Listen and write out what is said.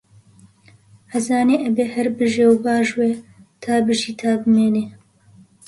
ئەزانێ ئەبێ هەر بژێ و باژوێ، تا بژی تا بمێنێ